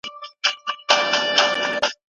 په لومړۍ تجربه کې دوه کسانو ګډون کړی دی.